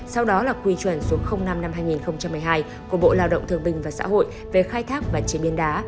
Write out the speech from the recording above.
sau đó là quy chuẩn số năm năm hai nghìn một mươi hai của bộ lao động thương bình và xã hội về khai thác và chế biến đá